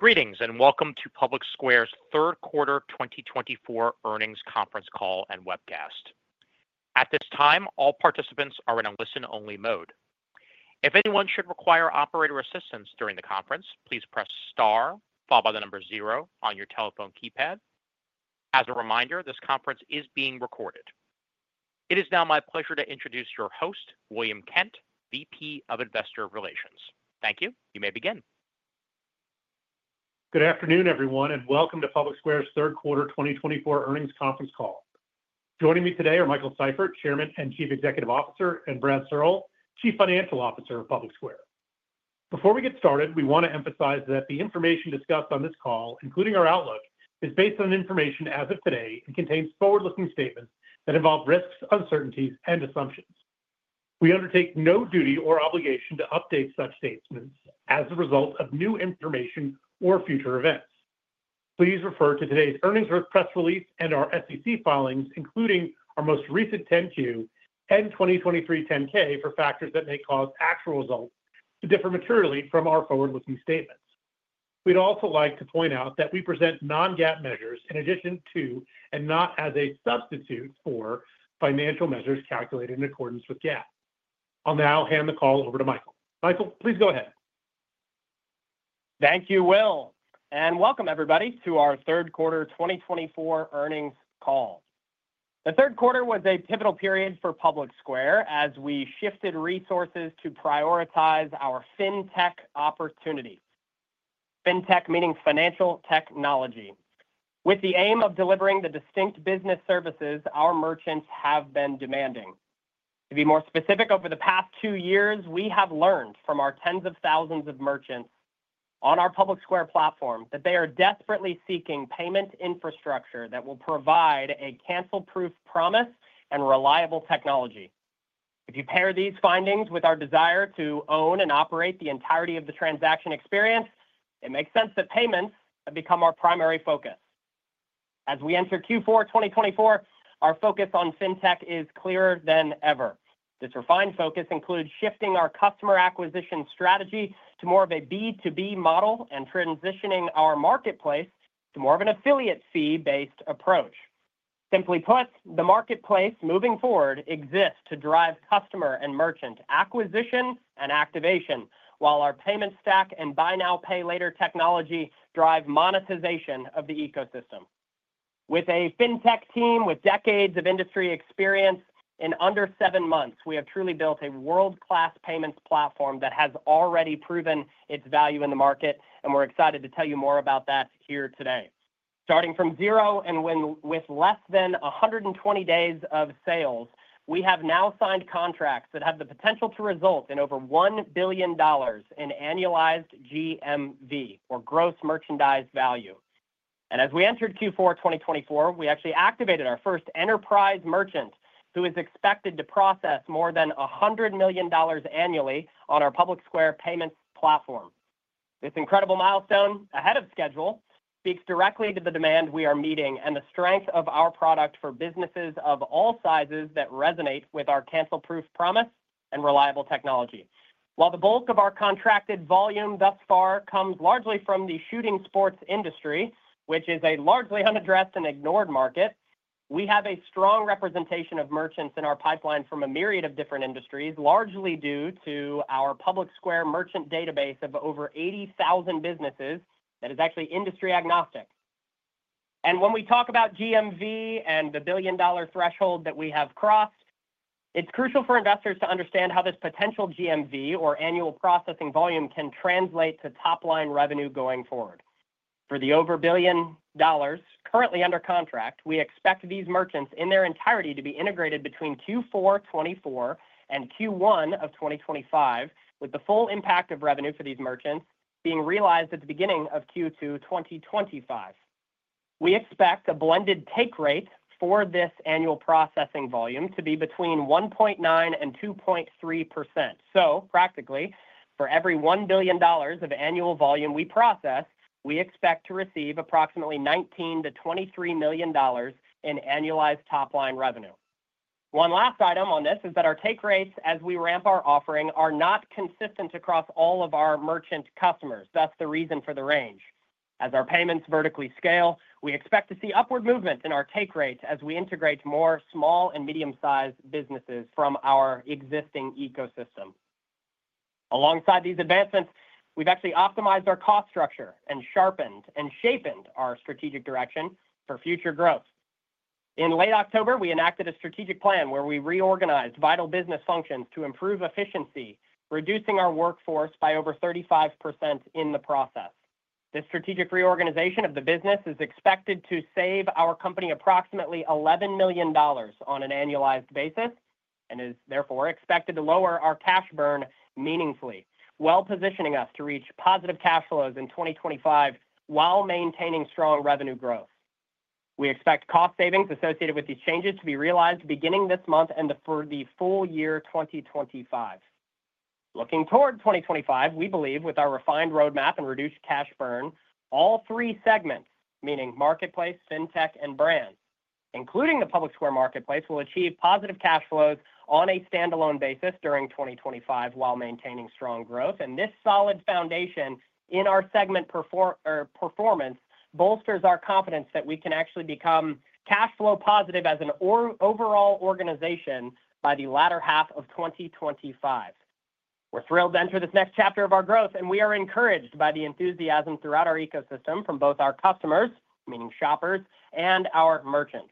Greetings and welcome to PublicSquare's Third Quarter 2024 Earnings Conference Call and Webcast. At this time, all participants are in a listen-only mode. If anyone should require operator assistance during the conference, please press star followed by the number zero on your telephone keypad. As a reminder, this conference is being recorded. It is now my pleasure to introduce your host, William Kent, VP of Investor Relations. Thank you. You may begin. Good afternoon, everyone, and welcome to PublicSquare's Third Quarter 2024 Earnings Conference Call. Joining me today are Michael Seifert, Chairman and Chief Executive Officer, and Brad Searle, Chief Financial Officer of PublicSquare. Before we get started, we want to emphasize that the information discussed on this call, including our outlook, is based on information as of today and contains forward-looking statements that involve risks, uncertainties, and assumptions. We undertake no duty or obligation to update such statements as a result of new information or future events. Please refer to today's earnings press release and our SEC filings, including our most recent 10Q and 2023 10K, for factors that may cause actual results to differ materially from our forward-looking statements. We'd also like to point out that we present non-GAAP measures in addition to, and not as a substitute for, financial measures calculated in accordance with GAAP. I'll now hand the call over to Michael. Michael, please go ahead. Thank you, Will, and welcome, everybody, to our Third Quarter 2024 Earnings Call. The third quarter was a pivotal period for Public Square as we shifted resources to prioritize our fintech opportunities. Fintech, meaning financial technology. With the aim of delivering the distinct business services our merchants have been demanding. To be more specific, over the past two years, we have learned from our tens of thousands of merchants on our Public Square platform that they are desperately seeking payment infrastructure that will provide a cancel-proof promise and reliable technology. If you pair these findings with our desire to own and operate the entirety of the transaction experience, it makes sense that payments have become our primary focus. As we enter Q4 2024, our focus on fintech is clearer than ever. This refined focus includes shifting our customer acquisition strategy to more of a B2B model and transitioning our marketplace to more of an affiliate fee-based approach. Simply put, the marketplace moving forward exists to drive customer and merchant acquisition and activation, while our payment stack and buy now, pay later technology drive monetization of the ecosystem. With a fintech team with decades of industry experience, in under seven months, we have truly built a world-class payments platform that has already proven its value in the market, and we're excited to tell you more about that here today. Starting from zero and with less than 120 days of sales, we have now signed contracts that have the potential to result in over $1 billion in annualized GMV, or gross merchandise value. As we entered Q4 2024, we actually activated our first enterprise merchant who is expected to process more than $100 million annually on our Public Square Payments platform. This incredible milestone, ahead of schedule, speaks directly to the demand we are meeting and the strength of our product for businesses of all sizes that resonate with our cancel-proof promise and reliable technology. While the bulk of our contracted volume thus far comes largely from the shooting sports industry, which is a largely unaddressed and ignored market, we have a strong representation of merchants in our pipeline from a myriad of different industries, largely due to our Public Square merchant database of over 80,000 businesses that is actually industry agnostic. When we talk about GMV and the billion-dollar threshold that we have crossed, it's crucial for investors to understand how this potential GMV, or annual processing volume, can translate to top-line revenue going forward. For the over $1 billion currently under contract, we expect these merchants in their entirety to be integrated between Q4 2024 and Q1 of 2025, with the full impact of revenue for these merchants being realized at the beginning of Q2 2025. We expect a blended take rate for this annual processing volume to be between 1.9%-2.3%. So practically, for every $1 billion of annual volume we process, we expect to receive approximately $19-$23 million in annualized top-line revenue. One last item on this is that our take rates, as we ramp our offering, are not consistent across all of our merchant customers. That's the reason for the range. As our payments vertically scale, we expect to see upward movement in our take rate as we integrate more small and medium-sized businesses from our existing ecosystem. Alongside these advancements, we've actually optimized our cost structure and sharpened and shaped our strategic direction for future growth. In late October, we enacted a strategic plan where we reorganized vital business functions to improve efficiency, reducing our workforce by over 35% in the process. This strategic reorganization of the business is expected to save our company approximately $11 million on an annualized basis and is therefore expected to lower our cash burn meaningfully, well-positioning us to reach positive cash flows in 2025 while maintaining strong revenue growth. We expect cost savings associated with these changes to be realized beginning this month and for the full year 2025. Looking toward 2025, we believe with our refined roadmap and reduced cash burn, all three segments, meaning marketplace, fintech, and brand, including the Public Square marketplace, will achieve positive cash flows on a standalone basis during 2025 while maintaining strong growth, and this solid foundation in our segment performance bolsters our confidence that we can actually become cash flow positive as an overall organization by the latter half of 2025. We're thrilled to enter this next chapter of our growth, and we are encouraged by the enthusiasm throughout our ecosystem from both our customers, meaning shoppers, and our merchants,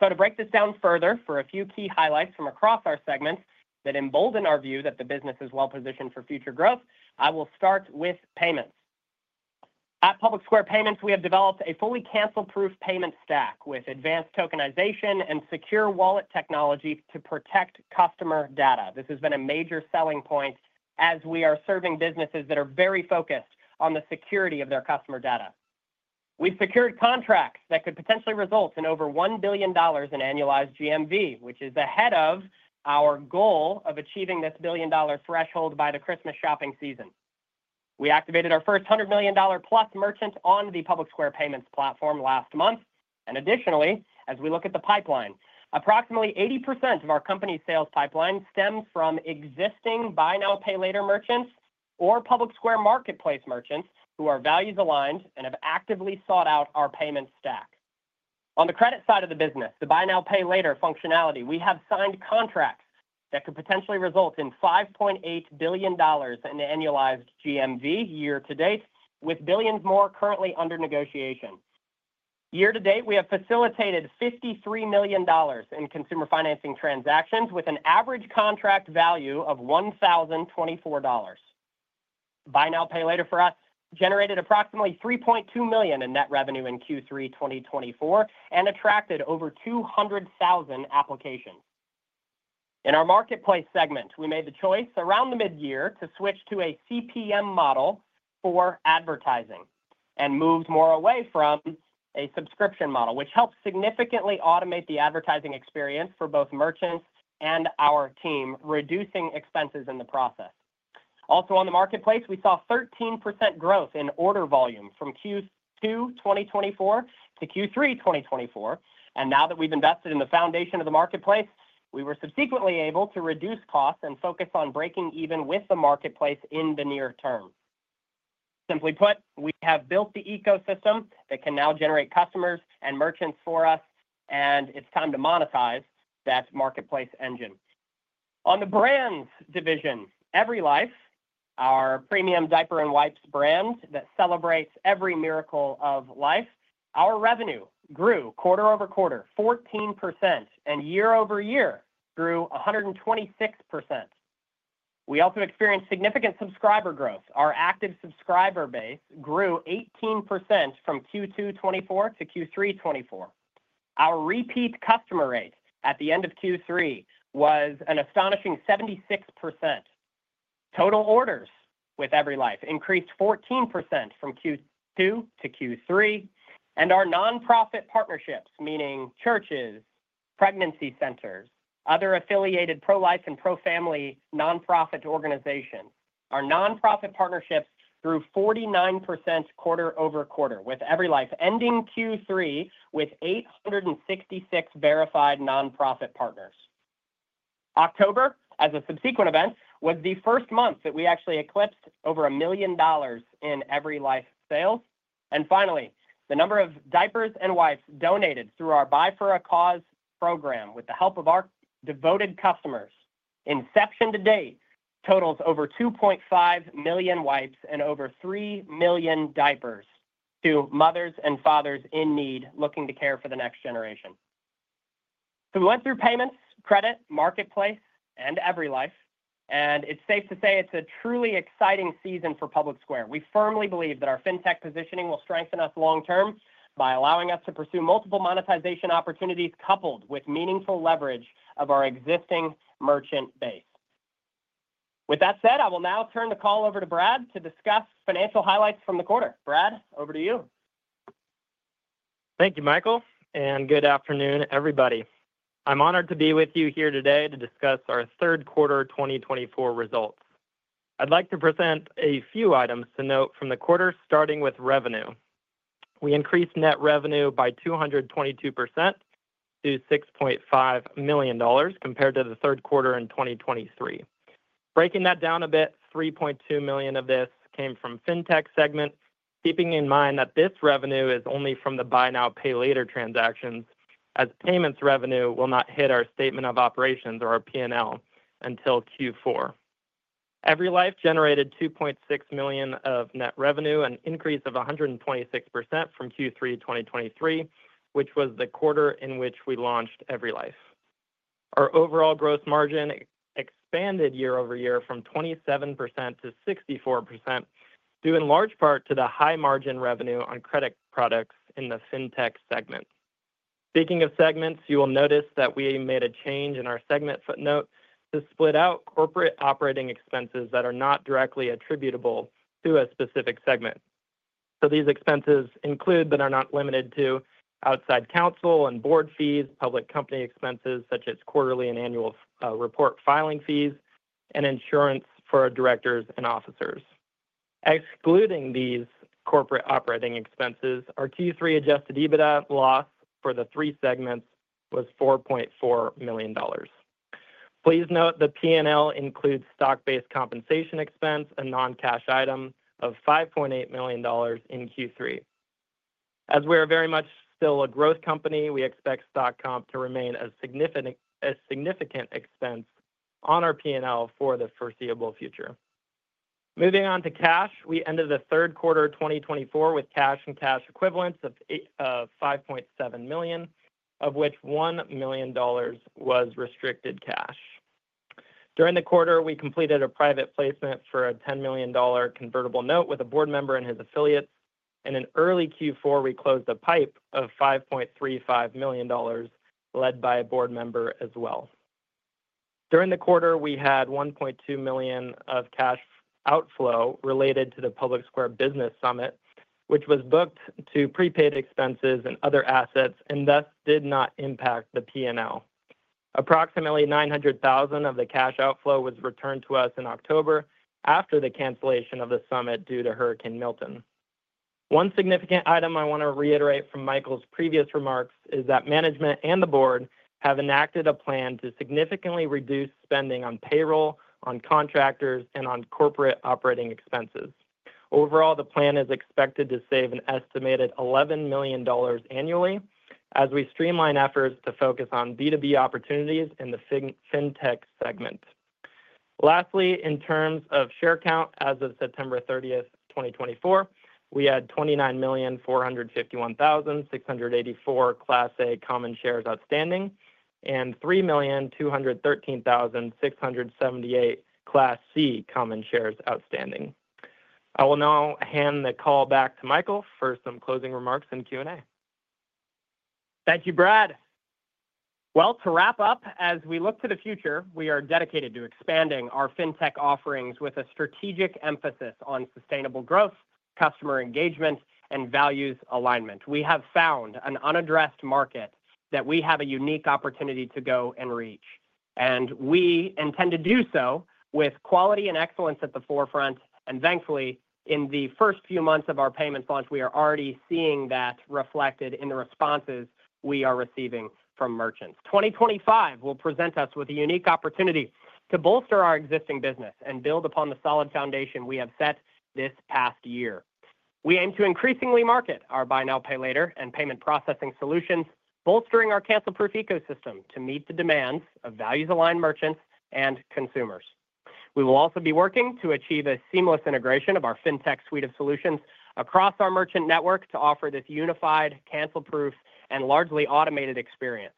so to break this down further for a few key highlights from across our segments that embolden our view that the business is well-positioned for future growth, I will start with payments. At Public Square Payments, we have developed a fully cancel-proof payment stack with advanced tokenization and secure wallet technology to protect customer data. This has been a major selling point as we are serving businesses that are very focused on the security of their customer data. We've secured contracts that could potentially result in over $1 billion in annualized GMV, which is ahead of our goal of achieving this billion-dollar threshold by the Christmas shopping season. We activated our first $100 million-plus merchant on the Public Square Payments platform last month, and additionally, as we look at the pipeline, approximately 80% of our company's sales pipeline stems from existing buy now, pay later merchants or Public Square marketplace merchants who are values aligned and have actively sought out our payment stack. On the credit side of the business, the buy now, pay later functionality, we have signed contracts that could potentially result in $5.8 billion in annualized GMV year to date, with billions more currently under negotiation. Year to date, we have facilitated $53 million in consumer financing transactions with an average contract value of $1,024. Buy now, pay later for us generated approximately $3.2 million in net revenue in Q3 2024 and attracted over 200,000 applications. In our marketplace segment, we made the choice around the midyear to switch to a CPM model for advertising and moved more away from a subscription model, which helps significantly automate the advertising experience for both merchants and our team, reducing expenses in the process. Also, on the marketplace, we saw 13% growth in order volume from Q2 2024 to Q3 2024. And now that we've invested in the foundation of the marketplace, we were subsequently able to reduce costs and focus on breaking even with the marketplace in the near term. Simply put, we have built the ecosystem that can now generate customers and merchants for us, and it's time to monetize that marketplace engine. On the brands division, EveryLife, our premium diaper and wipes brand that celebrates every miracle of life, our revenue grew quarter over quarter 14% and year over year grew 126%. We also experienced significant subscriber growth. Our active subscriber base grew 18% from Q2 2024 to Q3 2024. Our repeat customer rate at the end of Q3 was an astonishing 76%. Total orders with EveryLife increased 14% from Q2 to Q3. Our nonprofit partnerships, meaning churches, pregnancy centers, other affiliated pro-life and pro-family nonprofit organizations, our nonprofit partnerships grew 49% quarter over quarter with EveryLife ending Q3 with 866 verified nonprofit partners. October, as a subsequent event, was the first month that we actually eclipsed over $1 million in EveryLife sales. Finally, the number of diapers and wipes donated through our Buy for a Cause program with the help of our devoted customers inception to date totals over 2.5 million wipes and over 3 million diapers to mothers and fathers in need looking to care for the next generation. We went through payments, credit, marketplace, and EveryLife, and it's safe to say it's a truly exciting season for Public Square. We firmly believe that our fintech positioning will strengthen us long-term by allowing us to pursue multiple monetization opportunities coupled with meaningful leverage of our existing merchant base. With that said, I will now turn the call over to Brad to discuss financial highlights from the quarter. Brad, over to you. Thank you, Michael, and good afternoon, everybody. I'm honored to be with you here today to discuss our third quarter 2024 results. I'd like to present a few items to note from the quarter, starting with revenue. We increased net revenue by 222% to $6.5 million compared to the third quarter in 2023. Breaking that down a bit, $3.2 million of this came from fintech segment, keeping in mind that this revenue is only from the buy now, pay later transactions, as payments revenue will not hit our statement of operations or our P&L until Q4. EveryLife generated $2.6 million of net revenue, an increase of 126% from Q3 2023, which was the quarter in which we launched EveryLife. Our overall gross margin expanded year over year from 27% to 64%, due in large part to the high margin revenue on credit products in the fintech segment. Speaking of segments, you will notice that we made a change in our segment footnote to split out corporate operating expenses that are not directly attributable to a specific segment. So these expenses include but are not limited to outside counsel and board fees, public company expenses such as quarterly and annual report filing fees, and insurance for directors and officers. Excluding these corporate operating expenses, our Q3 adjusted EBITDA loss for the three segments was $4.4 million. Please note the P&L includes stock-based compensation expense, a non-cash item of $5.8 million in Q3. As we are very much still a growth company, we expect stock comp to remain a significant expense on our P&L for the foreseeable future. Moving on to cash, we ended the third quarter 2024 with cash and cash equivalents of $5.7 million, of which $1 million was restricted cash. During the quarter, we completed a private placement for a $10 million convertible note with a board member and his affiliates. In an early Q4, we closed a PIPE of $5.35 million led by a board member as well. During the quarter, we had $1.2 million of cash outflow related to the Public Square Business Summit, which was booked to prepaid expenses and other assets and thus did not impact the P&L. Approximately $900,000 of the cash outflow was returned to us in October after the cancellation of the summit due to Hurricane Milton. One significant item I want to reiterate from Michael's previous remarks is that management and the board have enacted a plan to significantly reduce spending on payroll, on contractors, and on corporate operating expenses. Overall, the plan is expected to save an estimated $11 million annually as we streamline efforts to focus on B2B opportunities in the fintech segment. Lastly, in terms of share count, as of September 30, 2024, we had 29,451,684 Class A common shares outstanding and 3,213,678 Class C common shares outstanding. I will now hand the call back to Michael for some closing remarks and Q&A. Thank you, Brad. Well, to wrap up, as we look to the future, we are dedicated to expanding our fintech offerings with a strategic emphasis on sustainable growth, customer engagement, and values alignment. We have found an unaddressed market that we have a unique opportunity to go and reach, and we intend to do so with quality and excellence at the forefront. Thankfully, in the first few months of our payments launch, we are already seeing that reflected in the responses we are receiving from merchants. 2025 will present us with a unique opportunity to bolster our existing business and build upon the solid foundation we have set this past year. We aim to increasingly market our buy now, pay later and payment processing solutions, bolstering our cancel-proof ecosystem to meet the demands of values-aligned merchants and consumers. We will also be working to achieve a seamless integration of our fintech suite of solutions across our merchant network to offer this unified, cancel-proof, and largely automated experience.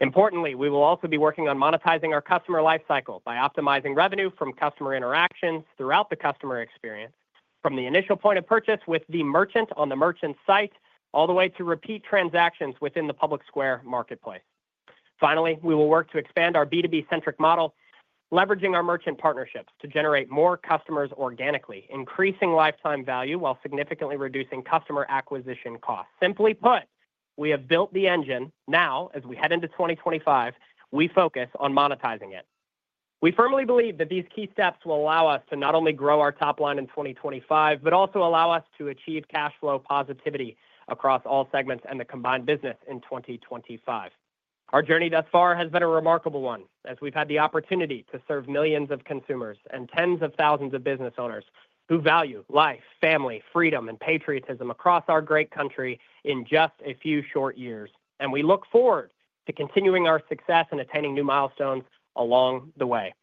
Importantly, we will also be working on monetizing our customer lifecycle by optimizing revenue from customer interactions throughout the customer experience, from the initial point of purchase with the merchant on the merchant site all the way to repeat transactions within the Public Square marketplace. Finally, we will work to expand our B2B-centric model, leveraging our merchant partnerships to generate more customers organically, increasing lifetime value while significantly reducing customer acquisition costs. Simply put, we have built the engine. Now, as we head into 2025, we focus on monetizing it. We firmly believe that these key steps will allow us to not only grow our top line in 2025, but also allow us to achieve cash flow positivity across all segments and the combined business in 2025. Our journey thus far has been a remarkable one as we've had the opportunity to serve millions of consumers and tens of thousands of business owners who value life, family, freedom, and patriotism across our great country in just a few short years. And we look forward to continuing our success and attaining new milestones along the way.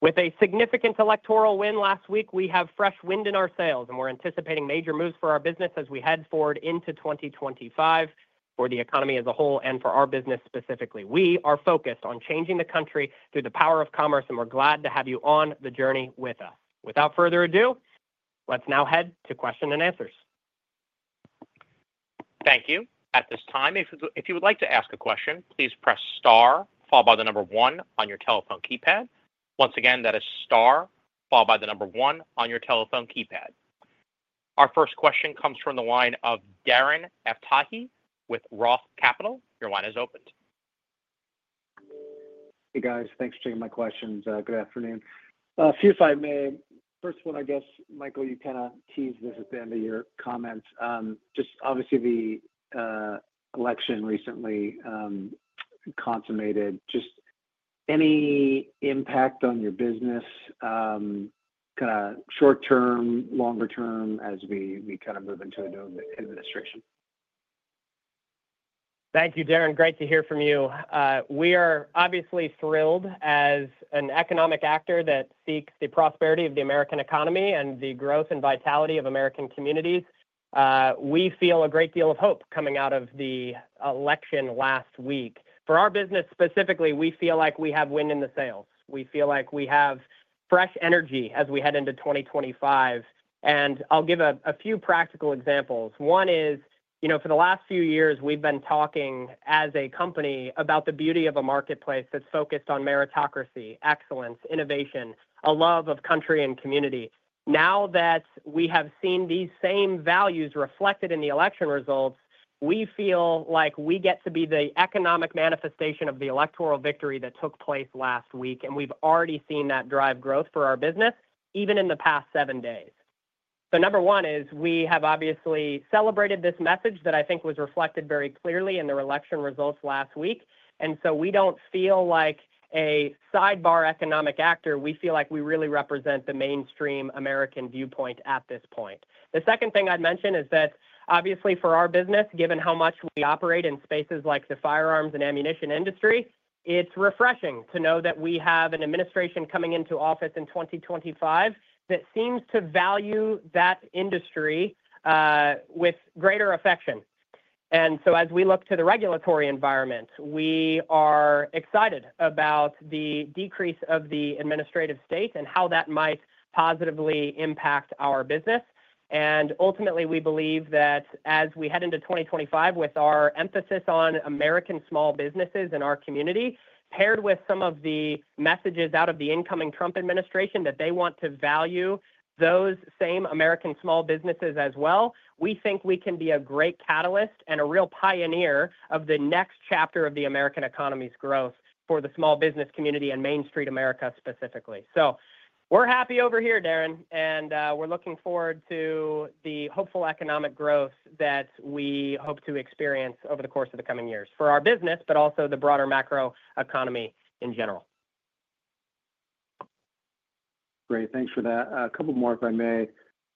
With a significant electoral win last week, we have fresh wind in our sails, and we're anticipating major moves for our business as we head forward into 2025 for the economy as a whole and for our business specifically. We are focused on changing the country through the power of commerce, and we're glad to have you on the journey with us. Without further ado, let's now head to questions and answers. Thank you. At this time, if you would like to ask a question, please press star, followed by the number one on your telephone keypad. Once again, that is star, followed by the number one on your telephone keypad. Our first question comes from the line of Darren Aftahi with Roth Capital. Your line is open. Hey, guys. Thanks for taking my questions. Good afternoon. A few, if I may. First one, I guess, Michael, you kind of teased this at the end of your comments. Just obviously, the election recently consummated. Just any impact on your business, kind of short-term, longer-term as we kind of move into a new administration? Thank you, Darren. Great to hear from you. We are obviously thrilled as an economic actor that seeks the prosperity of the American economy and the growth and vitality of American communities. We feel a great deal of hope coming out of the election last week. For our business specifically, we feel like we have wind in the sails. We feel like we have fresh energy as we head into 2025, and I'll give a few practical examples. One is, for the last few years, we've been talking as a company about the beauty of a marketplace that's focused on meritocracy, excellence, innovation, a love of country and community. Now that we have seen these same values reflected in the election results, we feel like we get to be the economic manifestation of the electoral victory that took place last week. We've already seen that drive growth for our business even in the past seven days. Number one is we have obviously celebrated this message that I think was reflected very clearly in the election results last week. We don't feel like a sidebar economic actor. We feel like we really represent the mainstream American viewpoint at this point. The second thing I'd mention is that obviously, for our business, given how much we operate in spaces like the firearms and ammunition industry, it's refreshing to know that we have an administration coming into office in 2025 that seems to value that industry with greater affection. As we look to the regulatory environment, we are excited about the decrease of the administrative state and how that might positively impact our business. Ultimately, we believe that as we head into 2025 with our emphasis on American small businesses in our community, paired with some of the messages out of the incoming Trump administration that they want to value those same American small businesses as well, we think we can be a great catalyst and a real pioneer of the next chapter of the American economy's growth for the small business community and Main Street America specifically. We're happy over here, Darren, and we're looking forward to the hopeful economic growth that we hope to experience over the course of the coming years for our business, but also the broader macro economy in general. Great. Thanks for that. A couple more, if I may.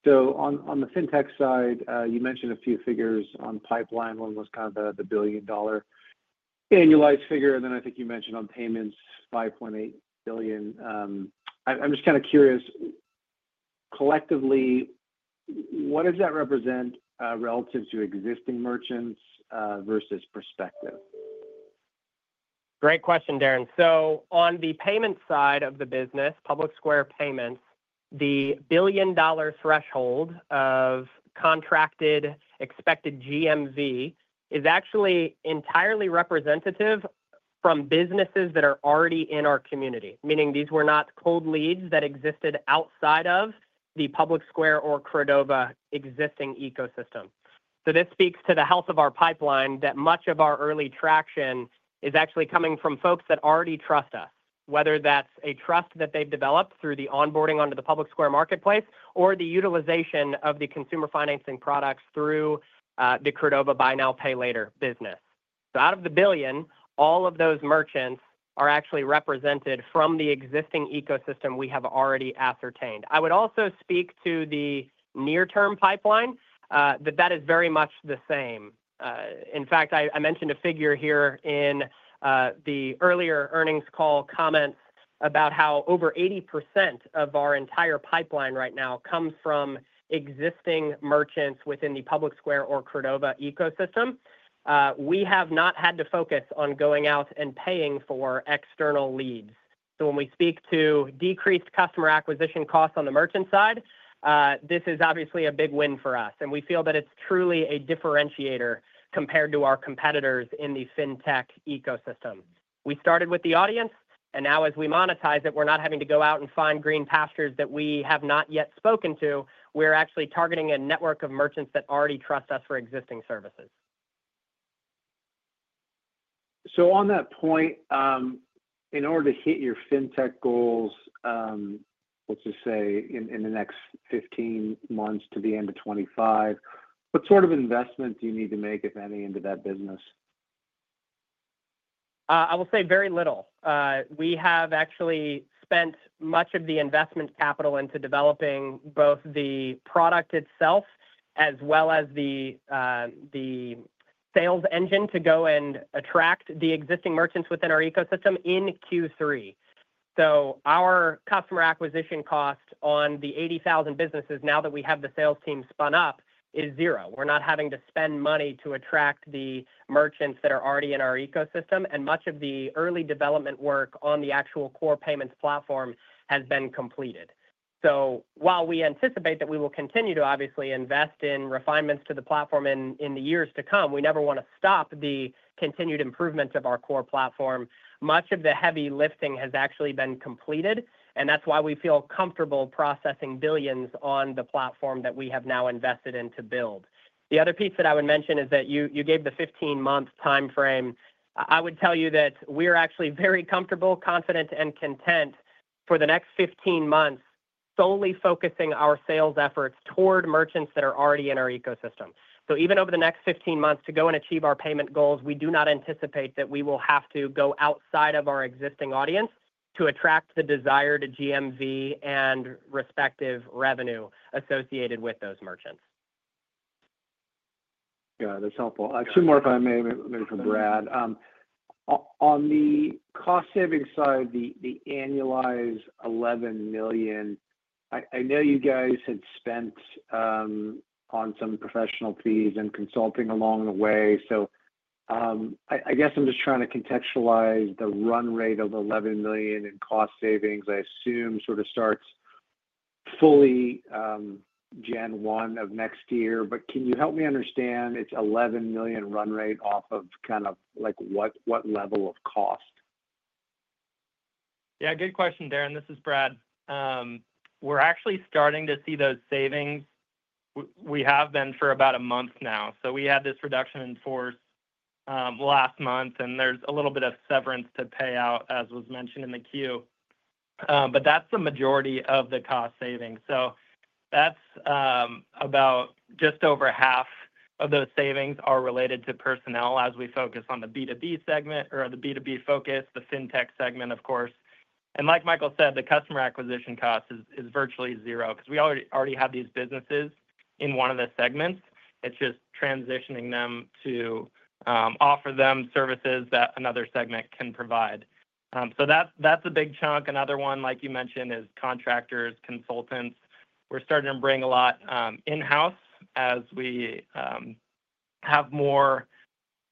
So on the fintech side, you mentioned a few figures on pipeline. One was kind of the $1 billion annualized figure. And then I think you mentioned on payments, $5.8 billion. I'm just kind of curious, collectively, what does that represent relative to existing merchants versus prospective? Great question, Darren. So on the payment side of the business, Public Square Payments, the billion-dollar threshold of contracted expected GMV is actually entirely representative from businesses that are already in our community, meaning these were not cold leads that existed outside of the Public Square or Credova existing ecosystem. So this speaks to the health of our pipeline that much of our early traction is actually coming from folks that already trust us, whether that's a trust that they've developed through the onboarding onto the Public Square marketplace or the utilization of the consumer financing products through the Credova Buy Now, Pay Later business. So out of the billion, all of those merchants are actually represented from the existing ecosystem we have already ascertained. I would also speak to the near-term pipeline that is very much the same. In fact, I mentioned a figure here in the earlier earnings call comments about how over 80% of our entire pipeline right now comes from existing merchants within the Public Square or Credova ecosystem. We have not had to focus on going out and paying for external leads. So when we speak to decreased customer acquisition costs on the merchant side, this is obviously a big win for us. And we feel that it's truly a differentiator compared to our competitors in the fintech ecosystem. We started with the audience, and now as we monetize it, we're not having to go out and find green pastures that we have not yet spoken to. We're actually targeting a network of merchants that already trust us for existing services. So on that point, in order to hit your fintech goals, let's just say in the next 15 months to the end of 2025, what sort of investment do you need to make, if any, into that business? I will say very little. We have actually spent much of the investment capital into developing both the product itself as well as the sales engine to go and attract the existing merchants within our ecosystem in Q3, so our customer acquisition cost on the 80,000 businesses now that we have the sales team spun up is zero. We're not having to spend money to attract the merchants that are already in our ecosystem, and much of the early development work on the actual core payments platform has been completed, so while we anticipate that we will continue to obviously invest in refinements to the platform in the years to come, we never want to stop the continued improvement of our core platform. Much of the heavy lifting has actually been completed, and that's why we feel comfortable processing billions on the platform that we have now invested in to build. The other piece that I would mention is that you gave the 15-month timeframe. I would tell you that we are actually very comfortable, confident, and content for the next 15 months solely focusing our sales efforts toward merchants that are already in our ecosystem. So even over the next 15 months to go and achieve our payment goals, we do not anticipate that we will have to go outside of our existing audience to attract the desired GMV and respective revenue associated with those merchants. Yeah, that's helpful. Two more, if I may, for Brad. On the cost-saving side, the annualized $11 million, I know you guys had spent on some professional fees and consulting along the way. So I guess I'm just trying to contextualize the run rate of $11 million in cost savings. I assume sort of starts fully Q1 of next year. But can you help me understand its $11 million run rate off of kind of what level of cost? Yeah, good question, Darren. This is Brad. We're actually starting to see those savings. We have been for about a month now. So we had this reduction in force last month, and there's a little bit of severance to pay out, as was mentioned in the queue. But that's the majority of the cost savings. So that's about just over half of those savings are related to personnel as we focus on the B2B segment or the B2B focus, the fintech segment, of course. And like Michael said, the customer acquisition cost is virtually zero because we already have these businesses in one of the segments. It's just transitioning them to offer them services that another segment can provide. So that's a big chunk. Another one, like you mentioned, is contractors, consultants. We're starting to bring a lot in-house as we have more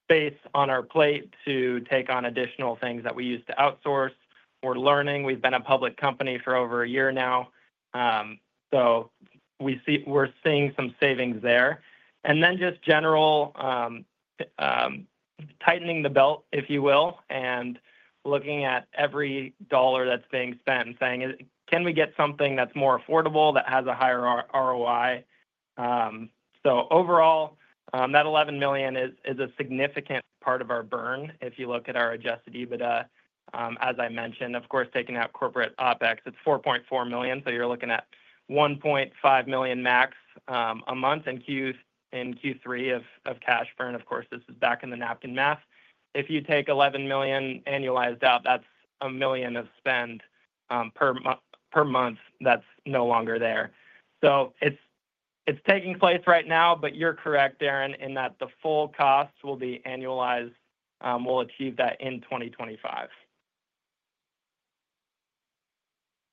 space on our plate to take on additional things that we used to outsource. We're learning. We've been a public company for over a year now. So we're seeing some savings there. And then just general tightening the belt, if you will, and looking at every dollar that's being spent and saying, "Can we get something that's more affordable that has a higher ROI?" So overall, that $11 million is a significant part of our burn. If you look at our adjusted EBITDA, as I mentioned, of course, taking out corporate OPEX, it's $4.4 million. So you're looking at $1.5 million max a month in Q3 of cash burn. Of course, this is back in the napkin math. If you take $11 million annualized out, that's $1 million of spend per month that's no longer there. It's taking place right now, but you're correct, Darren, in that the full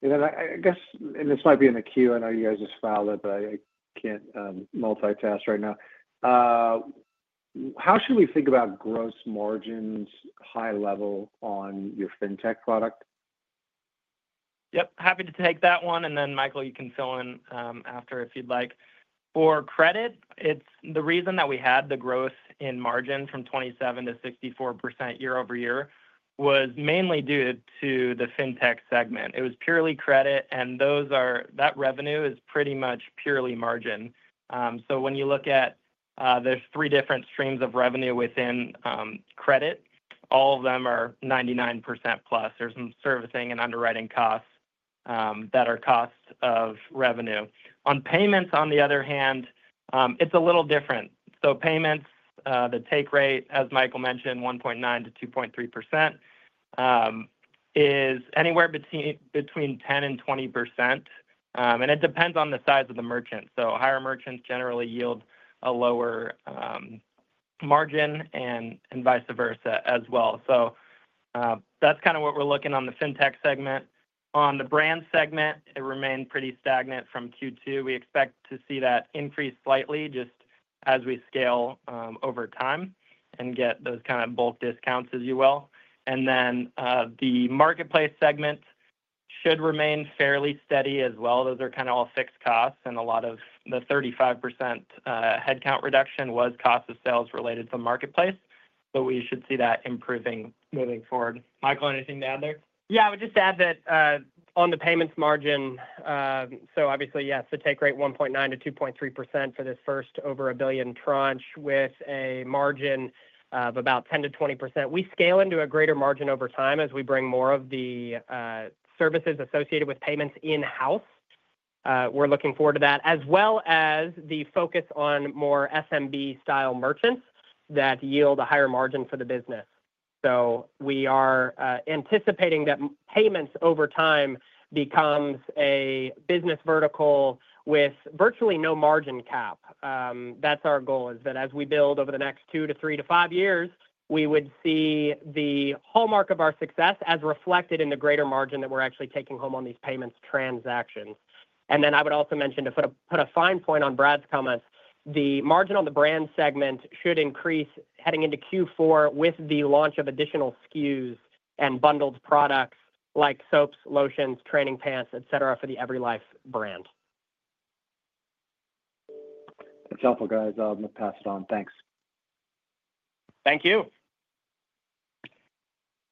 cost will be annualized. We'll achieve that in 2025. I guess, and this might be in the queue. I know you guys just filed it, but I can't multitask right now. How should we think about gross margins high level on your fintech product? Yep. Happy to take that one, and then Michael, you can fill in after if you'd like. For credit, the reason that we had the growth in margin from 27% to 64% year over year was mainly due to the fintech segment. It was purely credit, and that revenue is pretty much purely margin. So when you look at there's three different streams of revenue within credit, all of them are 99% plus. There's some servicing and underwriting costs that are costs of revenue. On payments, on the other hand, it's a little different. So payments, the take rate, as Michael mentioned, 1.9%-2.3% is anywhere between 10% and 20%. And it depends on the size of the merchant, so higher merchants generally yield a lower margin and vice versa as well, so that's kind of what we're looking on the fintech segment. On the brand segment, it remained pretty stagnant from Q2. We expect to see that increase slightly just as we scale over time and get those kind of bulk discounts, as well. And then the marketplace segment should remain fairly steady as well. Those are kind of all fixed costs. And a lot of the 35% headcount reduction was cost of sales related to marketplace. But we should see that improving moving forward. Michael, anything to add there? Yeah, I would just add that on the payments margin, so obviously, yes, the take rate 1.9%-2.3% for this first over a billion tranche with a margin of about 10%-20%. We scale into a greater margin over time as we bring more of the services associated with payments in-house. We're looking forward to that, as well as the focus on more SMB-style merchants that yield a higher margin for the business. So we are anticipating that payments over time becomes a business vertical with virtually no margin cap. That's our goal, is that as we build over the next two to three to five years, we would see the hallmark of our success as reflected in the greater margin that we're actually taking home on these payments transactions. And then I would also mention to put a fine point on Brad's comments, the margin on the brand segment should increase heading into Q4 with the launch of additional SKUs and bundled products like soaps, lotions, training pants, etc., for the EveryLife brand. That's helpful, guys. I'm going to pass it on. Thanks. Thank you.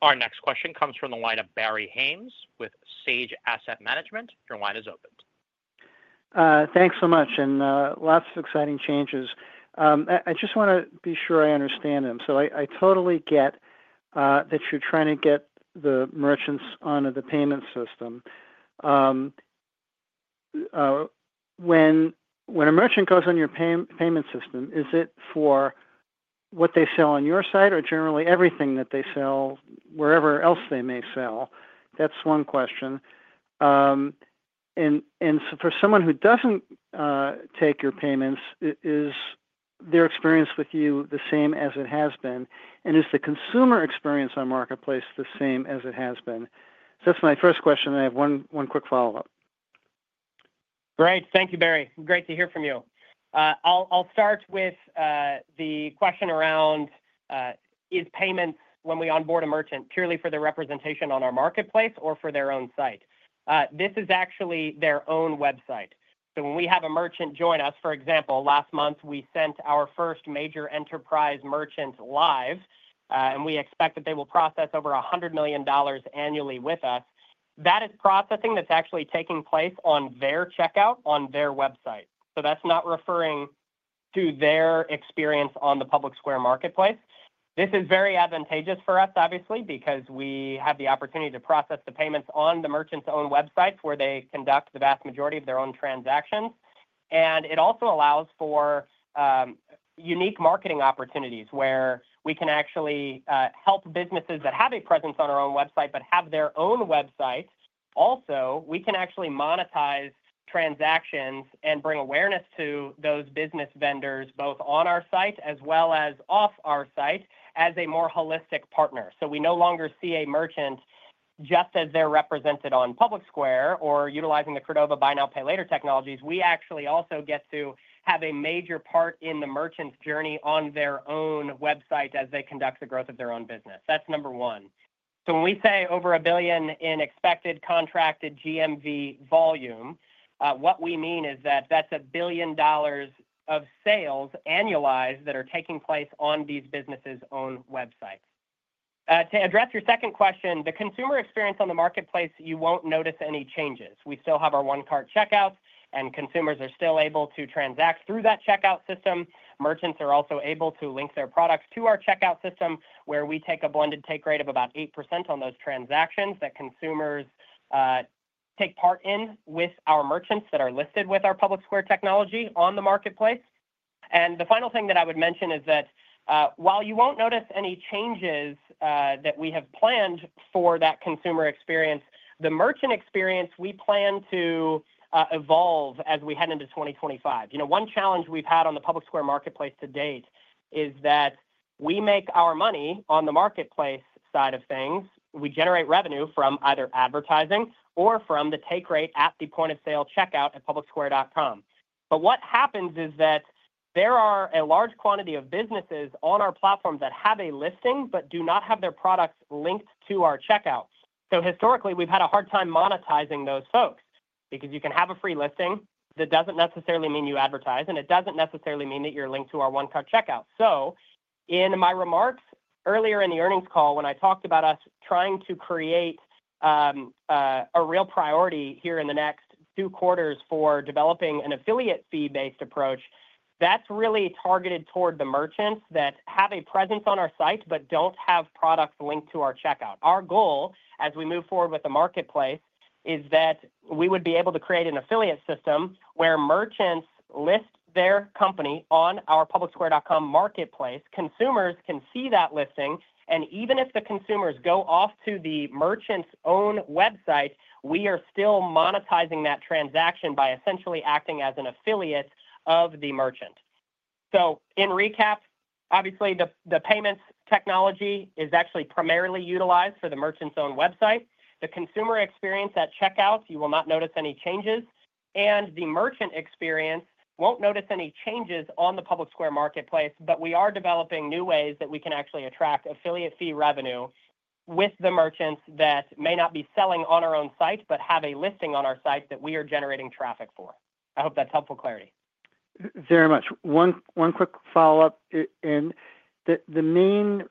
Our next question comes from the line of Barry Haimes with Sage Asset Management. Your line is open. Thanks so much, and lots of exciting changes. I just want to be sure I understand them, so I totally get that you're trying to get the merchants onto the payment system. When a merchant goes on your payment system, is it for what they sell on your side or generally everything that they sell wherever else they may sell? That's one question, and for someone who doesn't take your payments, is their experience with you the same as it has been? And is the consumer experience on Marketplace the same as it has been, so that's my first question. I have one quick follow-up. Great. Thank you, Barry. Great to hear from you. I'll start with the question around, is payments when we onboard a merchant purely for their representation on our marketplace or for their own site? This is actually their own website. So when we have a merchant join us, for example, last month, we sent our first major enterprise merchant live, and we expect that they will process over $100 million annually with us. That is processing that's actually taking place on their checkout on their website. So that's not referring to their experience on the Public Square marketplace. This is very advantageous for us, obviously, because we have the opportunity to process the payments on the merchants' own websites where they conduct the vast majority of their own transactions. And it also allows for unique marketing opportunities where we can actually help businesses that have a presence on our own website but have their own website. Also, we can actually monetize transactions and bring awareness to those business vendors both on our site as well as off our site as a more holistic partner. So we no longer see a merchant just as they're represented on Public Square or utilizing the Credova Buy Now, Pay Later technologies. We actually also get to have a major part in the merchant's journey on their own website as they conduct the growth of their own business. That's number one. So when we say over a billion in expected contracted GMV volume, what we mean is that that's $1 billion of sales annualized that are taking place on these businesses' own websites. To address your second question, the consumer experience on the marketplace, you won't notice any changes. We still have our one-cart checkout, and consumers are still able to transact through that checkout system. Merchants are also able to link their products to our checkout system where we take a blended take rate of about 8% on those transactions that consumers take part in with our merchants that are listed with our Public Square technology on the marketplace, and the final thing that I would mention is that while you won't notice any changes that we have planned for that consumer experience, the merchant experience, we plan to evolve as we head into 2025. One challenge we've had on the Public Square marketplace to date is that we make our money on the marketplace side of things. We generate revenue from either advertising or from the take rate at the point of sale checkout at PublicSquare.com. But what happens is that there are a large quantity of businesses on our platform that have a listing but do not have their products linked to our checkout. So historically, we've had a hard time monetizing those folks because you can have a free listing. That doesn't necessarily mean you advertise, and it doesn't necessarily mean that you're linked to our one-cart checkout. So in my remarks earlier in the earnings call when I talked about us trying to create a real priority here in the next two quarters for developing an affiliate fee-based approach, that's really targeted toward the merchants that have a presence on our site but don't have products linked to our checkout. Our goal as we move forward with the marketplace is that we would be able to create an affiliate system where merchants list their company on our PublicSquare.com marketplace. Consumers can see that listing, and even if the consumers go off to the merchant's own website, we are still monetizing that transaction by essentially acting as an affiliate of the merchant, so in recap, obviously, the payments technology is actually primarily utilized for the merchant's own website. The consumer experience at checkout, you will not notice any changes, and the merchant experience won't notice any changes on the Public Square marketplace, but we are developing new ways that we can actually attract affiliate fee revenue with the merchants that may not be selling on our own site but have a listing on our site that we are generating traffic for. I hope that's helpful clarity. Very much. One quick follow-up in the main: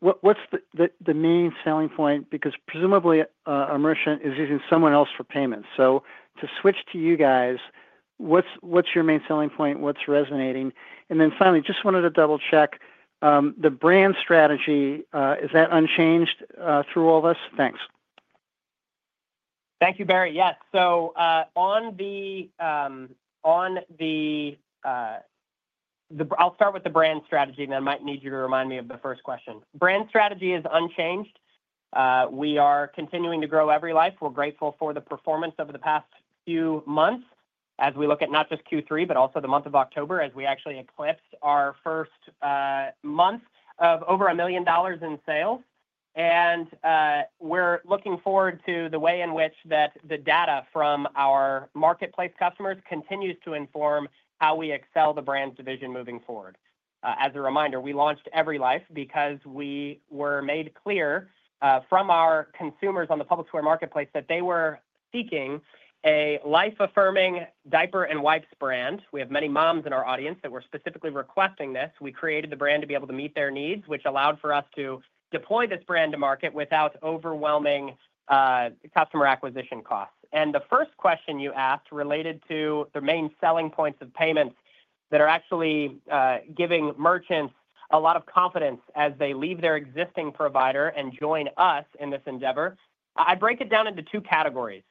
what's the main selling point? Because presumably a merchant is using someone else for payments. So to switch to you guys, what's your main selling point? What's resonating? And then finally, just wanted to double-check the brand strategy. Is that unchanged through all of us? Thanks. Thank you, Barry. Yes. So on the I'll start with the brand strategy, and then I might need you to remind me of the first question. Brand strategy is unchanged. We are continuing to grow EveryLife. We're grateful for the performance over the past few months as we look at not just Q3, but also the month of October as we actually eclipsed our first month of over $1 million in sales. And we're looking forward to the way in which the data from our marketplace customers continues to inform how we excel the brand division moving forward. As a reminder, we launched EveryLife because we were made clear from our consumers on the Public Square marketplace that they were seeking a life-affirming diaper and wipes brand. We have many moms in our audience that were specifically requesting this. We created the brand to be able to meet their needs, which allowed for us to deploy this brand to market without overwhelming customer acquisition costs, and the first question you asked related to the main selling points of payments that are actually giving merchants a lot of confidence as they leave their existing provider and join us in this endeavor. I break it down into two categories.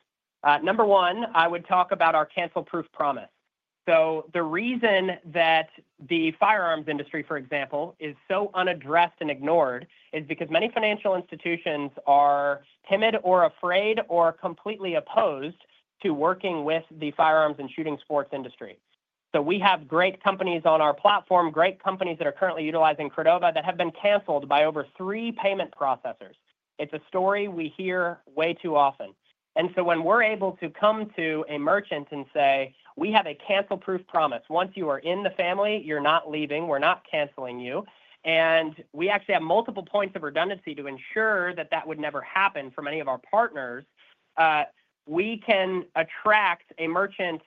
Number one, I would talk about our cancel-proof promise, so the reason that the firearms industry, for example, is so unaddressed and ignored is because many financial institutions are timid or afraid or completely opposed to working with the firearms and shooting sports industry, so we have great companies on our platform, great companies that are currently utilizing Credova that have been canceled by over three payment processors. It's a story we hear way too often. And so when we're able to come to a merchant and say, "We have a cancel-proof promise. Once you are in the family, you're not leaving. We're not canceling you." And we actually have multiple points of redundancy to ensure that that would never happen for many of our partners. We can attract a merchant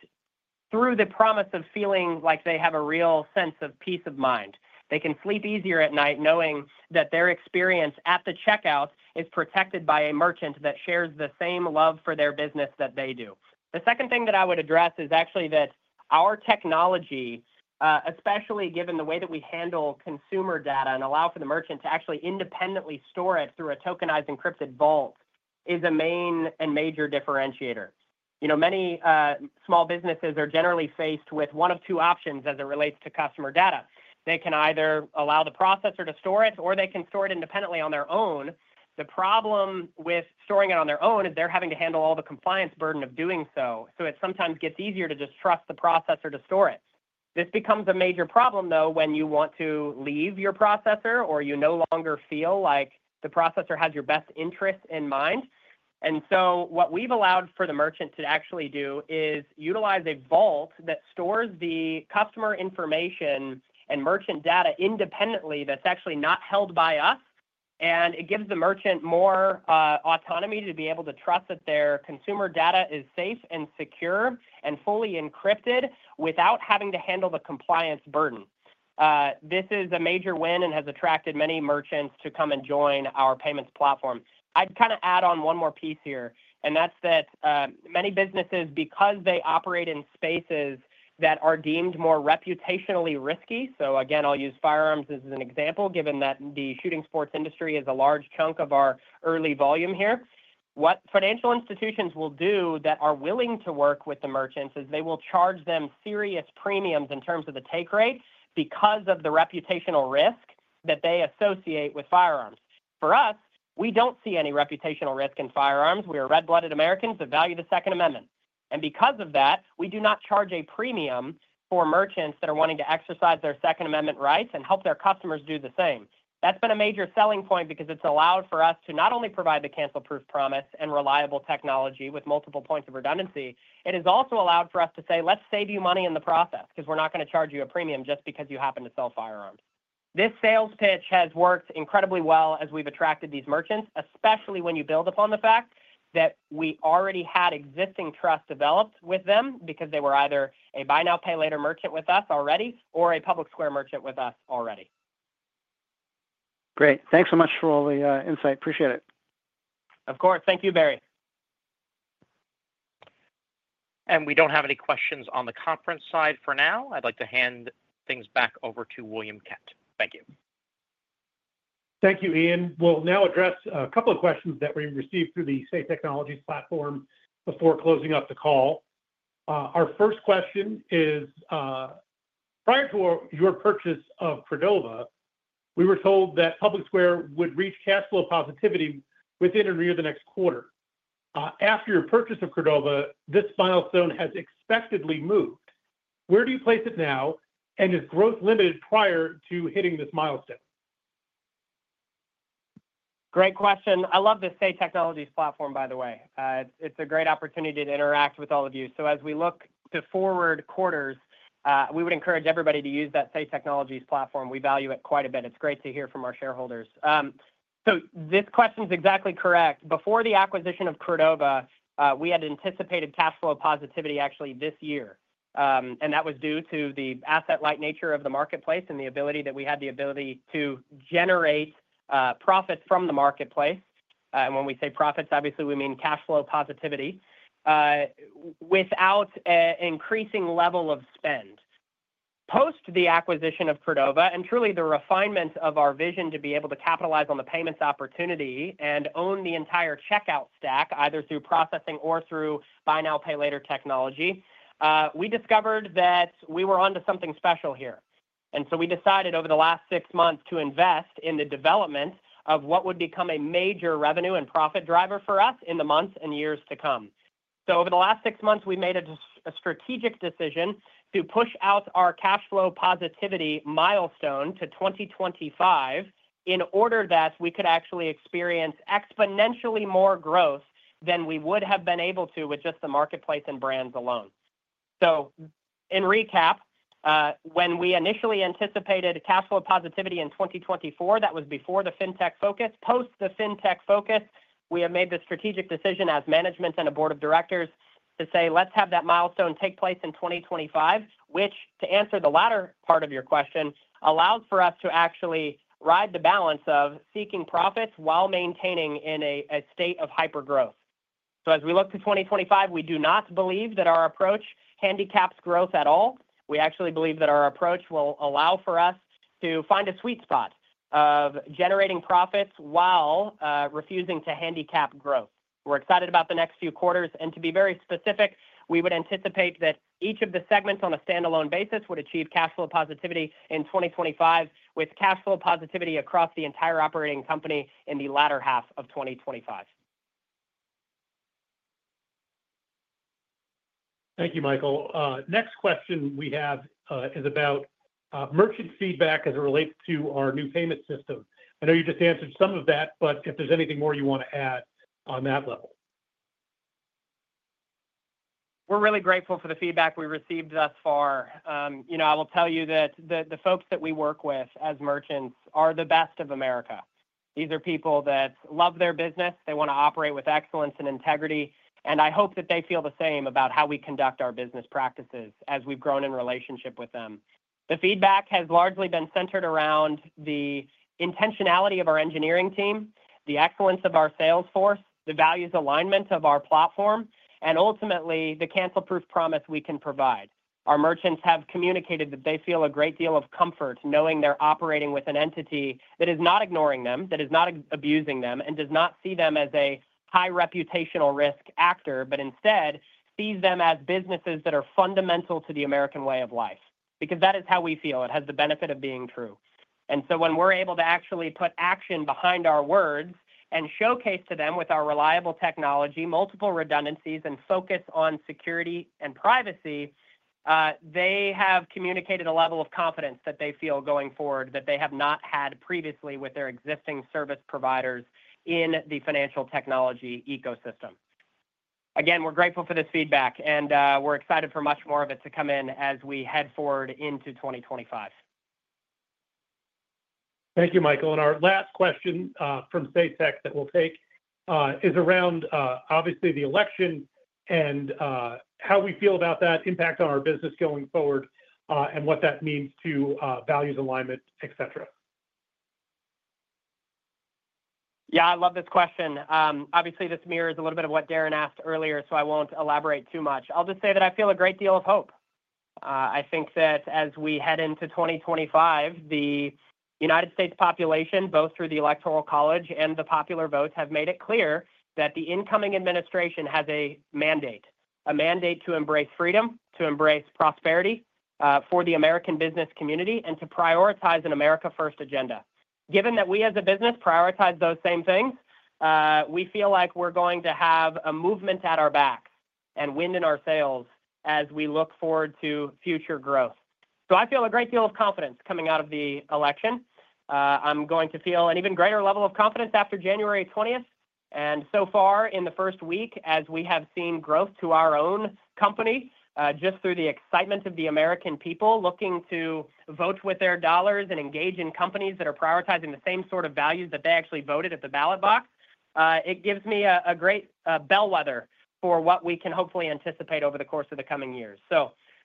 through the promise of feeling like they have a real sense of peace of mind. They can sleep easier at night knowing that their experience at the checkout is protected by a merchant that shares the same love for their business that they do. The second thing that I would address is actually that our technology, especially given the way that we handle consumer data and allow for the merchant to actually independently store it through a tokenized encrypted vault, is a main and major differentiator. Many small businesses are generally faced with one of two options as it relates to customer data. They can either allow the processor to store it or they can store it independently on their own. The problem with storing it on their own is they're having to handle all the compliance burden of doing so, so it sometimes gets easier to just trust the processor to store it. This becomes a major problem, though, when you want to leave your processor or you no longer feel like the processor has your best interest in mind, and so what we've allowed for the merchant to actually do is utilize a vault that stores the customer information and merchant data independently that's actually not held by us. It gives the merchant more autonomy to be able to trust that their consumer data is safe and secure and fully encrypted without having to handle the compliance burden. This is a major win and has attracted many merchants to come and join our payments platform. I'd kind of add on one more piece here, and that's that many businesses, because they operate in spaces that are deemed more reputationally risky, so again, I'll use firearms as an example, given that the shooting sports industry is a large chunk of our early volume here, what financial institutions will do that are willing to work with the merchants is they will charge them serious premiums in terms of the take rate because of the reputational risk that they associate with firearms. For us, we don't see any reputational risk in firearms. We are red-blooded Americans that value the Second Amendment. And because of that, we do not charge a premium for merchants that are wanting to exercise their Second Amendment rights and help their customers do the same. That's been a major selling point because it's allowed for us to not only provide the cancel-proof promise and reliable technology with multiple points of redundancy, it has also allowed for us to say, "Let's save you money in the process because we're not going to charge you a premium just because you happen to sell firearms." This sales pitch has worked incredibly well as we've attracted these merchants, especially when you build upon the fact that we already had existing trust developed with them because they were either a buy now, pay later merchant with us already or a Public Square merchant with us already. Great. Thanks so much for all the insight. Appreciate it. Of course. Thank you, Barry. We don't have any questions on the conference side for now. I'd like to hand things back over to William Kent. Thank you. Thank you, Ian. We'll now address a couple of questions that we received through the Say Technologies platform before closing up the call. Our first question is, prior to your purchase of Credova, we were told that Public Square would reach cash flow positivity within and near the next quarter. After your purchase of Credova, this milestone has expectedly moved. Where do you place it now, and is growth limited prior to hitting this milestone? Great question. I love the Say Technologies platform, by the way. It's a great opportunity to interact with all of you. So as we look to forward quarters, we would encourage everybody to use that Say Technologies platform. We value it quite a bit. It's great to hear from our shareholders. So this question is exactly correct. Before the acquisition of Credova, we had anticipated cash flow positivity actually this year. And that was due to the asset-like nature of the marketplace and the ability that we had to generate profits from the marketplace. And when we say profits, obviously, we mean cash flow positivity without an increasing level of spend. Post the acquisition of Credova and truly the refinement of our vision to be able to capitalize on the payments opportunity and own the entire checkout stack, either through processing or through buy now, pay later technology, we discovered that we were onto something special here, and so we decided over the last six months to invest in the development of what would become a major revenue and profit driver for us in the months and years to come, so over the last six months, we made a strategic decision to push out our cash flow positivity milestone to 2025 in order that we could actually experience exponentially more growth than we would have been able to with just the marketplace and brands alone, so in recap, when we initially anticipated cash flow positivity in 2024, that was before the fintech focus. Post the Fintech focus, we have made the strategic decision as management and a board of directors to say, "Let's have that milestone take place in 2025," which, to answer the latter part of your question, allows for us to actually ride the balance of seeking profits while maintaining a state of hypergrowth. So as we look to 2025, we do not believe that our approach handicaps growth at all. We actually believe that our approach will allow for us to find a sweet spot of generating profits while refusing to handicap growth. We're excited about the next few quarters. And to be very specific, we would anticipate that each of the segments on a standalone basis would achieve cash flow positivity in 2025 with cash flow positivity across the entire operating company in the latter half of 2025. Thank you, Michael. Next question we have is about merchant feedback as it relates to our new payment system. I know you just answered some of that, but if there's anything more you want to add on that level? We're really grateful for the feedback we received thus far. I will tell you that the folks that we work with as merchants are the best of America. These are people that love their business. They want to operate with excellence and integrity, and I hope that they feel the same about how we conduct our business practices as we've grown in relationship with them. The feedback has largely been centered around the intentionality of our engineering team, the excellence of our sales force, the values alignment of our platform, and ultimately the cancel-proof promise we can provide. Our merchants have communicated that they feel a great deal of comfort knowing they're operating with an entity that is not ignoring them, that is not abusing them, and does not see them as a high reputational risk actor, but instead sees them as businesses that are fundamental to the American way of life. Because that is how we feel. It has the benefit of being true, and so when we're able to actually put action behind our words and showcase to them with our reliable technology, multiple redundancies, and focus on security and privacy, they have communicated a level of confidence that they feel going forward that they have not had previously with their existing service providers in the financial technology ecosystem. Again, we're grateful for this feedback, and we're excited for much more of it to come in as we head forward into 2025. Thank you, Michael. And our last question from Sage Asset Management that we'll take is around, obviously, the election and how we feel about that impact on our business going forward and what that means to values alignment, etc. Yeah, I love this question. Obviously, this mirrors a little bit of what Darren asked earlier, so I won't elaborate too much. I'll just say that I feel a great deal of hope. I think that as we head into 2025, the United States population, both through the Electoral College and the popular vote, have made it clear that the incoming administration has a mandate, a mandate to embrace freedom, to embrace prosperity for the American business community, and to prioritize an America First agenda. Given that we as a business prioritize those same things, we feel like we're going to have a movement at our backs and wind in our sails as we look forward to future growth. So I feel a great deal of confidence coming out of the election. I'm going to feel an even greater level of confidence after January 20th. So far in the first week, as we have seen growth to our own company just through the excitement of the American people looking to vote with their dollars and engage in companies that are prioritizing the same sort of values that they actually voted at the ballot box, it gives me a great bellwether for what we can hopefully anticipate over the course of the coming years.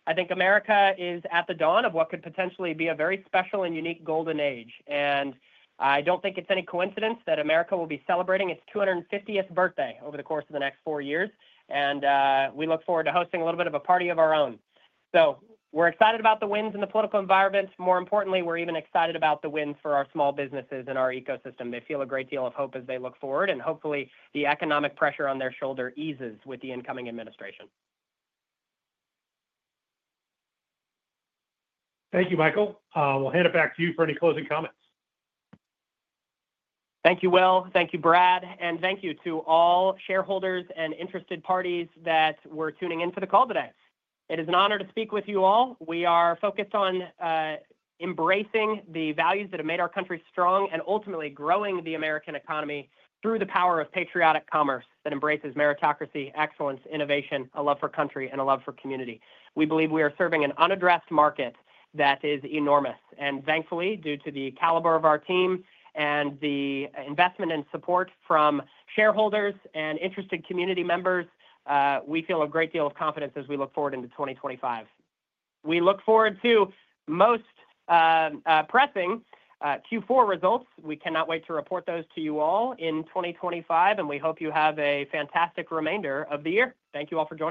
I think America is at the dawn of what could potentially be a very special and unique golden age. I don't think it's any coincidence that America will be celebrating its 250th birthday over the course of the next four years. We look forward to hosting a little bit of a party of our own. We're excited about the winds in the political environment. More importantly, we're even excited about the wins for our small businesses and our ecosystem. They feel a great deal of hope as they look forward, and hopefully, the economic pressure on their shoulders eases with the incoming administration. Thank you, Michael. We'll hand it back to you for any closing comments. Thank you, Will. Thank you, Brad. And thank you to all shareholders and interested parties that were tuning in for the call today. It is an honor to speak with you all. We are focused on embracing the values that have made our country strong and ultimately growing the American economy through the power of patriotic commerce that embraces meritocracy, excellence, innovation, a love for country, and a love for community. We believe we are serving an unaddressed market that is enormous. And thankfully, due to the caliber of our team and the investment and support from shareholders and interested community members, we feel a great deal of confidence as we look forward into 2025. We look forward to posting Q4 results. We cannot wait to report those to you all in 2025. And we hope you have a fantastic remainder of the year. Thank you all for joining.